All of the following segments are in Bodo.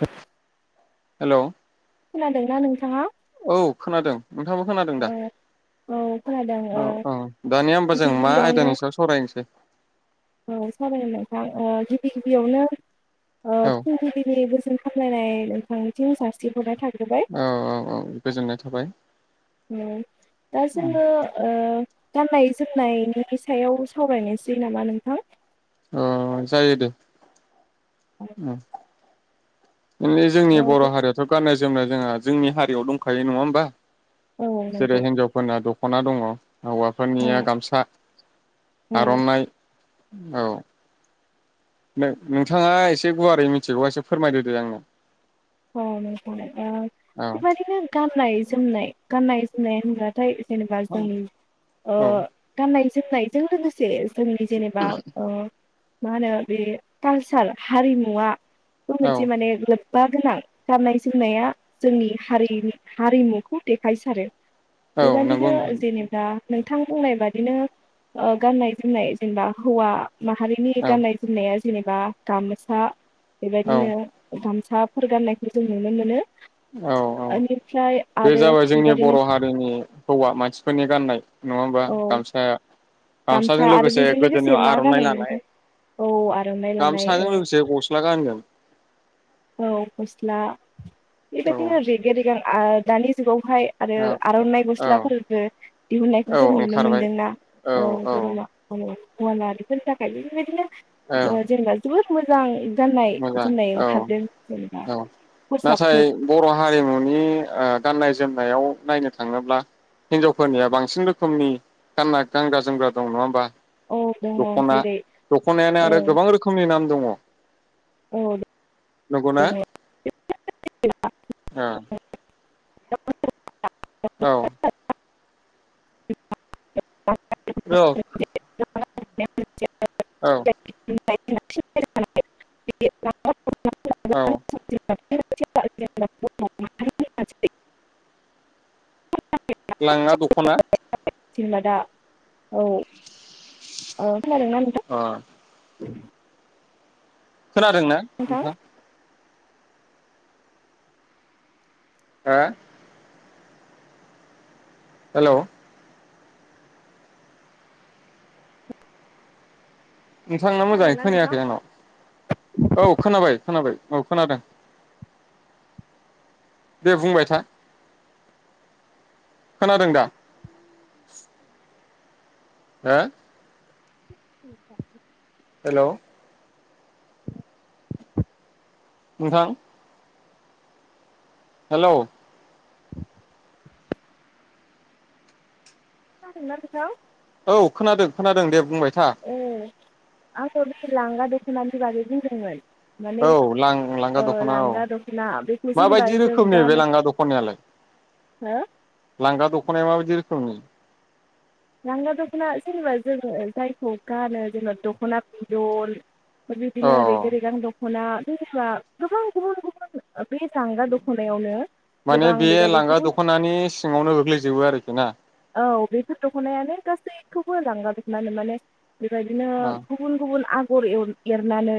[unintelligible] हेल' खोनादोंना नोंथाङा औ खोनादों नोंथाङाबो खोनादों ओ दा औ खोनादों ओ औ औ दानिया होमबा गिबि जों मा गिबियावनो आयदानि सायाव सावरायनोसै औ साबायनो नोंथां ओ गिबि गिबियावनो ओ औ फुंबिलिनि गोजोन हामलायनाय नोंथांनिथिं सारस्रि हरनाय थाग औ औ औ गोजोननाय थाबाय उम दा जोङो ओ गाननाय जोमनायनि सायाव सावरायनोसै नामा नोंथां ओ जायो दे उम नोंनि जोंनि ओ बर' बे हारियाथ' गाननाय जो [unintelligible] जोंहा जोंनि हारियाव दंखायो नङा होमबा औ जेरै नंगौ हिनजावफोरना दख ख'ना दङ' औ हौवाफोरनिया गामसा औ आर'नाइ औ नोंथाङा एसे गुवारै मिथिगौबा एसे फोरमायदोदे आंनो? हनै हनै ओ औ बेबादिनो गाननाय -जोमनाय गाननाय -जोमनाय होनब्लाथाय जेनेबा जोंनि ओ औ गाननाय जोमनायजों लोगोसे जोंनि जेनेबा ओ मा होनो बे खालसार हारिमुआ बेखौ औ मोनसे माने [unintelligible] गाननाय- जोमनाया जोंनि हारिनि हारिमुखौ देखायसारो। औ नंगौ बेबदिनो नोंथां जेनेबा नोंथां बुंनाय बादिनो ओ गाननाय- जोमनाय जेनेबा हौवा माहारिनि औ गाननाय- जोमनाया जेनेबा गामसा औ बेबायदिनो [unintelligible] [unintelligible] गान्नाय जों नुनो मोनो। औ औ बेनिफ्राय बे आरो जाबाय जोंनि बेबायदिनो बर' हारिनि हौवा मानसिफोरनि गाननाय नङा होमबा औ गामसा गामसा गामसाजों आरो लोगोसे बेजों गोदोनायाव मा आर'नाइ गानोमोन लानाय नोंथां? औ आर'नाइ लानाय गामसाजों ओ लोगोसे गस्ला गानगोन। औ गस्ला औ बेबायदिनो रेगे- रेगां [unintelligible] दानि जुगाव बेहाय आरो औ आर'नाइ औ गस्लाफोरबो दिहुननायखौ औ जों नुनो ओंखारबाय मोनदोंना औ मा औ। हौवा माहारि फोरनि थाखाय बेफोर बायदिनो औ अ जेनेबा जोबोद मोजां गाननाय मोजां जोमनाय औ ओंखार औ नाथाय बर' हारिमुनि ओ गाननाय -जोमनायाव नायनो थाङोब्ला हिनजावफोरनिया बांसिन रोखोमनि गानना गानग्रा -जोमग्रा दं नङा होमबा? औ दङ दख'ना जेरै दख'नायानो औ आरो गोबां रोखोमनि नाम दङ'। औ नंगौना? दङ औ [unintelligible] औ [unintelligible] रख [unintelligible] औ [unintelligible] औ [unintelligible] [unintelligible] लांगा दख'ना जेनबा दा औ औ खोनादोंना अ नोंथां? खोनादों ना नोंथां? हा हेल' नोंथांना मोजाङै खोनादोंना नोंथां खोनायाखै आंनाव औ खोनाबाय खोनाबाय औ खोनादों दे बुंबाय था खोनादों दा हो [inaudible] हेल' [inaudible] नोंथां हेल' खोनादोंना नोंथां? औ खोनादों खोनादों दे बुंबाय था ओ आङो दा लांगा दख'नानि बागै बुंदोंमोन माने औ लां-लांगा ओ दख'ना औ। लांगा दख'ना बेखौ जेनेबा माबायदि जों रोखोमनि बे गानो लांगा दख'नायालाय? हो लांगा दख'नाया माबाय दि रोखोमनि? लांगा दख'ना जेनेबा जोङो जायखौ गानो जेनेबा दख'ना बिदन फोर अ बिदिनो रेगे-रेगां द ख'ना बे जोंहा गोबां गुबुन गुबुन बे लांगा दख'नायावनो माने गोबां बे बेबायदि लांगा गुबुन दख'नानि सिङावनो गोग्लैजोबो आरोखि ना औ बेफोर दख'नायानो गासैखौबो लांगा दख'ना होनो माने बेबायदिनो औ गुबुन गुबुन आ [unintelligible] एरनानै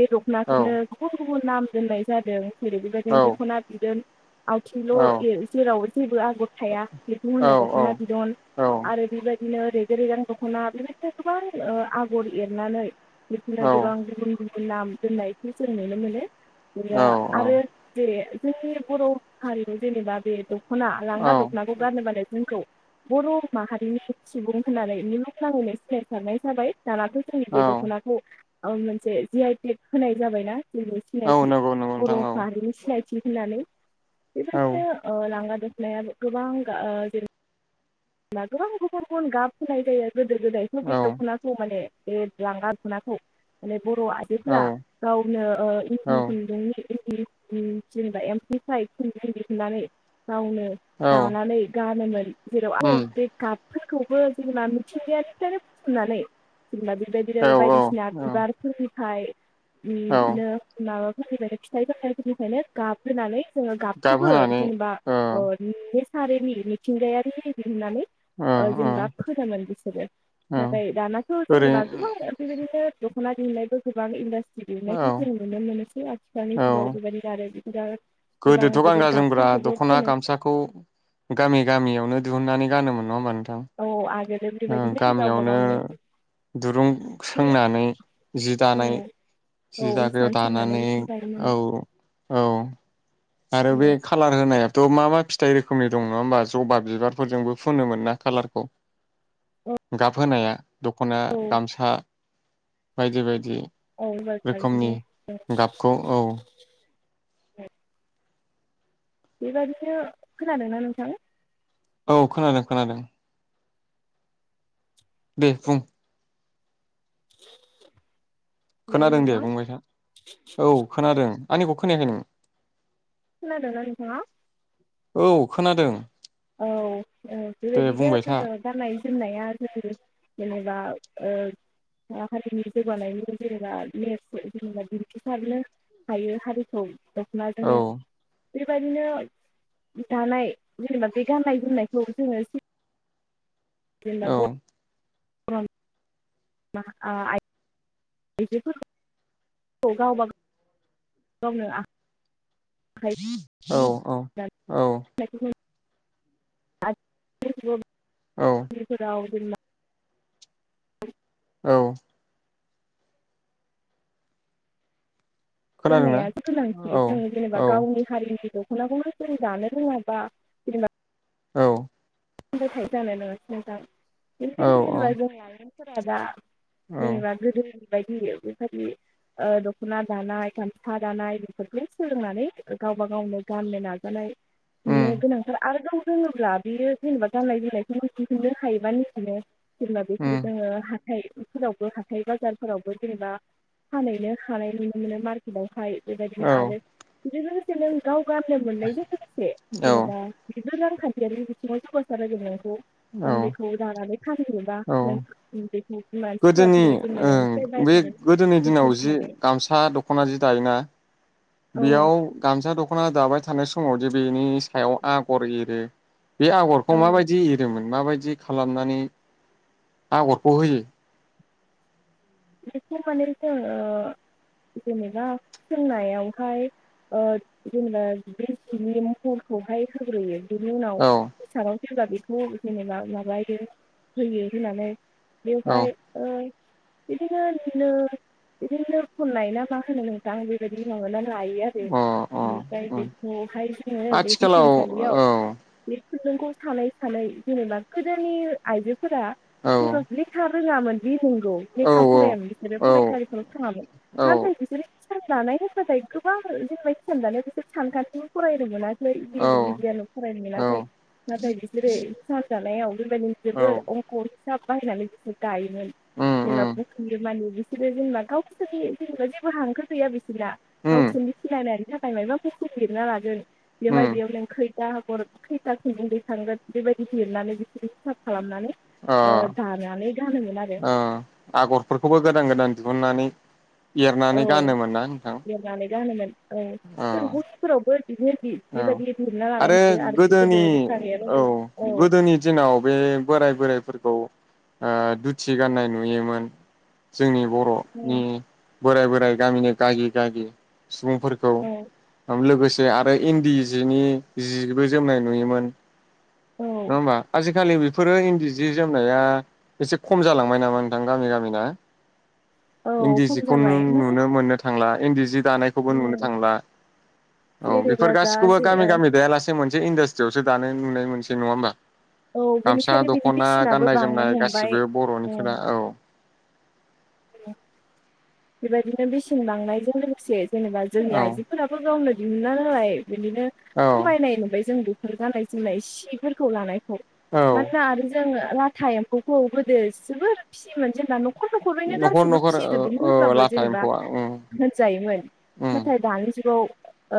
बे दख'नाखौनो औ गुबुन गु बुन नाम दोननाय जादों। जेरै बेबायदिनो दख'ना बिदोन । आवथिंल' ओ औ जेराव जेबो आगर थाया बिखौ होनो द औ खना बिदन औ आरो बेबाय दिनो रेगे-रेगां दख'ना बेबायदिनो गोबां ओ आगर एरनानै बेफोरनो गोबां गुबुन गुबुन नाम दोननायखौ जों नुनो मोनो। बिनो औ आरो जेरै जोंनि बर' हारियाव जेनेबा बेखौ दख'ना लांगा औ दख'नाखौ गानोबानो जोंखौ बर' माहारिनि सुबुं होननानै मुलुगनाङैनो सिनायसारनाय जाबाय। दानाथ' जोंनि औ बे औ दख'नाखौ औ मोनसे जि आइ टेंग होनाय जाबायना? जोंनि औ सिनायथि नंगौ नंगौ नोंथां औ बर'हारिनि सिनाय थि होन्नानै । औ बेबायदिनो ओ लांगा द खनायाबो गोबां गा जेरै ला गोबां गुबुन गुबुन गाब होनाय जायो । गोदो गोदायथ' बे दख'नाखौ माने बे लांगा दख'नाखौ माने बर' औ आइजोफोरा गावनो ओ औ इन्दि खुन्दुंनि इनदि उम जेनेबा एमफौफ्राय खुनदों दिहोननानै गावनो औ औ दानानै गानोमोन। जेराव उम आरो गाबफोरखौबो जों मा मिथिंगायारिनिफ्रायनो बोथुमनानै जेनबा बेबायदिनो औ औ बायदिसिना औ बिबारफोरनि फाय औ उन नों माबा फोरनिफ्रायनो फिथाइ सामथाइ फोरनिफ्रायनो गाब फोननानै जोङो गाब गाबखौबो होनानै जेनेबा ओ अ ने सारेलि मिथिंगायारि दिहोननानै ओ अ जेनेबा औ फोनोमोन बिसोरो नाथाय दानाथ' ओरै जेनेबा गोबां बेबायदिनो दख'ना दिहुननायबो गोबां इनदास औ दिहुननायखौ जों नुनो मोनोसै आथिखालनि जुगाव बेबायदिनो आरो। दा गोदोथ' गानगा जोमग्रा दख'ना गामसाखौ गामि गामियावनो। दिहुननानै गानोमोन नङा होमबा नों औ आगोलो ओं बेबायदिनो गावबा गामियावनो गावनो दुरुं एसे सोंनानै जि दानाय औ औ जि दागायाव हिसान सोंनानै दानानै जि दायोमोन औ औ औ। आरो बे औ खालार होन फोनायाथ' मा मा फिथाइ रोखोमनि दं नङा होमबा जबा बिबारफोरजोंबो फुनोमोन ना कालारखौ गाब होनाया दख'ना औ गामसा बायदि बायदि। औ रोखोमनि बिदिनो गाबखौ औ औ बेबादिनो खोनादोंना नोंथां? औ खोनादों खोनादों। दे बुं [inaudible] हेलौ खोनादों दे नोंथां बुंंबायथा औ खोनादों। आंनिखौ खोनायाखै नों? खोनादोंना नोंथांआ? औ खोनादों। औ औ दे बुंबाय बेबायदिनो था जोङो गाननाय जोमनाया जों जेनेबा ओ-हारिनि जौगानायनि जेनेबा नेस जेनेबा [unintelligible] थायो हारिखौ दखनाजोंनो औ बेबायदिनो दानाय जेनेबा बे गाननाय जोमनायखौ जोङो औ जेनबा औ मा ओ आय आइजोफोरखौ औ गावबागाव गावनो आ [inaudible] औ औ औ [inaudible] [unintelligible] औ बेफोराव जेनबा औ खोनादोंना गाननायाथ' गोनांथि औ जों जेनेबा औ गावनि हारिनिखौ दखनाखौनो जों दानो रोङाबा जेनेबा औ जानाय नङा नोंथां औ बे औ जेनबा जोंनि आइ मोनहा फोरा दा औ जेनेबा गोदोनि बेबायदि बेबायदि दख'ना दानाय खामसा दानाय बेफोरखौ सोलोंनानै गावबा गावनो गाननो नाजानाय उम मेग गोनांफोर आरो दं रोङोब्ला बियो गाननाय जोमनायखौ दिहुननो हायोबा निजेनो जेनबा उम बेफोर जोङो हाथाय फोरावबो हाथाय बाजारफोरावबो जेनेबा फानैैनो हानाय नुनो मोनो मार्केट आवहाय बेबायदिनो औ आरो बिदिबा दसेनो गाव गाननो मोननायजों लोगोसे औ जेनेबा बि [inaudible] [inaudible] [unintelligible] नों औ बेखौ दानानै फानहैयोबा औ नों बेखौ मानसिफोराथ' गोदोनि जेनेबा नोंनिफ्राय ओं बे बायखागोन गोदोनि बेसेन दिनाव जि होनानै गामसा दखना जि दायोना औ बेयाव गामसा दखना दाबाय था थानाय समावदि बेनि सायाव आगर एरो बे आगरखौ औ माबायदि एरोमोन माबायदि जि खालामनानै आगरखौ होयो बेखौ माने जों जेनेबा सोंनायावहाय ओ जेनेबा बे जिनि महरखौहाय होग्रोयो बिनि उनाव औ [inaudible] सोरबा बेखौ जेनेबा माबायो होयो होनानै औ बेवहाय ओ बिदिनो नो बिदिनो नो खननाय ना मा होनो नोंथां बेबायदि नंगो ना लायो आरो अ ओमफ्राय अ अ बेखौहाय जोङो बे आथिखालाव हिसानसालियाव औ खुन्दुं खौ सानै सानै जेनेबा गोदोनि आइजो फो फोरा औ [inaudible] फैनाङामोन‌ बि नंगौ औ लेखा फरायामोन बिसोरो औ फरायसालिफोराव‌ थाङामोन नाथाय बिसोरो हिसान दानाय होनबाथाय गोबां जेनबा हिसान‌‌ दानायाव बेफोर सानखान्थिबो फरायहोनो मोनास ख्लै औ औ [unintelligible] फरायनो मोनासै नाथाय बिसोरो हिसान दानायाव बेबायदिनो जोबोर अंक हिसाब बाहायनानै बिसोर दायोमोन। उम उम जेनेबा [unintelligible] मानि बिसोरो जेनेबा गावसोरनि जेनेबा जेबो हांखो गैया बिसोरना उम गावसोरनि सिनायनायनि थाखाय मायबा बुस्थु लिरना लागोन बेवहाय उम बेयाव नों खैथा आगर खैथा खुन्दुं दैखांगोन बेबायदि लिरनानै बिसोरो हिसाब खालामनानै अ ओ‌ दानानै गानोमोन आरो अ आगरफोरखौबो गोदान गोदान दिहुननानै औ एरनानै गानोमोन ना नोंथां? लिरनानै गानोमोन औ फोर औ मुलिफोरावबो औ आरो गोदो गोदोनि लेखा औ गैयाबाबो औ गोदोनि दिनाव बे बोराय बोरायफोरखौ ओ दुथि गाननाय नुयोमोन जोंनि बर'नि औ बोराय बोराय गामिनि गागि गागि सुबुंफोरखौ औ औ लोगोस जो आद फ्राय इन्दि जिनि जिबो जोमनाय नुयोमोन। औ नङा होमबा आजिखालि बेख फोरो इन्दि जि जोमनाया एसे खम जालांबाय नामा नोंथां गामि गामिना? औ इन्दि खम जिखौ नों जाबाय माने नुनो मोननो थांला। इन्दि जि दानायखौबो नुनो थांला। औ जेनेबा बेफोर दा गासिखौबो जे गामि गामि दायालासेनो मोनसे इन्डास्ट्रियावसो दानाय नुनाय मोनसै नङा होमबा? औ गामसा बेनिखायनो बिनि दख'ना बेसेनाबो गाननाय बांनो जोमनाय हमबाय गासिबो बर'निफोरा औ ङ बेबायदिनो बेसेन बांनायजों लोगोसेस जेनेबा जोंनि औ आइजोफोराबो गावनो दिहुन्ना होलाय बिदिनो खमायनाय नुबाय जोंबो। फोर गाननाय जोमनाय सिफोरखौ लानाय औ मानोना आरो जो जोङो लाथा एम्फौखौ गोदो जोबोर फिसियोमोन जेनबा न'ख न'खर न'खर ओ ओ बाबो लाथा जेनेबा एम्फौआ उम होनजायोमोन उम नाथाय दानि जुगाव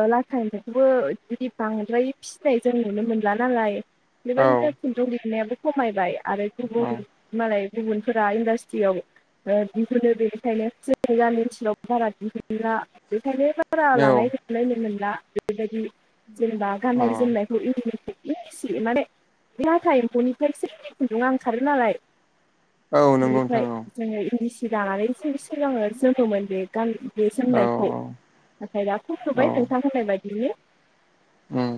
ओ लाथा एम्फौखोबो बिदि बांद्राय फिसिनाय जों नुनो मोनला नालाय औ बेबायदिनो खुन्दुं लूनायाबो खमायबाय आरो गुबुन मालाय गुबुनफोरा इन्डास्ट्रियाव ओ दिहुनो बेनिखायनो गामि ओनसोलावबो बारा दिहुनला खायनो बारा लानायखौलायनो मोनला बेबायदि जेनेबा गाननाय औ जोमनायखौ इ एसे माने बे लाथा एम्फौनिफ्रायसो खुन्दुंआ ओंखारो नालाय अ औ नंगौ बिनिफाय नोंथां औ जोङो इ जानानै बिसोर सिगां जोमगौमोन बे गान बे औ जोमनायखौ नाथाय दा औ फथ'बाय नोंथा होनाय बायदिनि उम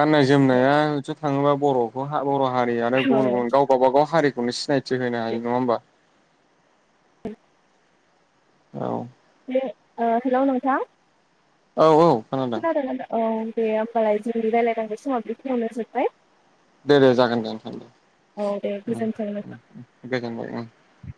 गाननाय जोमनायाथ' थाङोबा बर'खौ हा बर' हारियानो गुबुन गुबुन गाव गावबा गाव हारि बो सिना थि होनो हायो नङा होमबा [unintelligible] औ हे ओ हेल' नोंथां औ औ खोनादों ना दा औ दे होमबालाय जोंनि रायलायनांगौ समाबो बेखिनियावनो जोब्बाय दे दे जागोन दे नोंथां दे औ दे उम गोजोन्थों नोंथां उम उम गोजोनबाय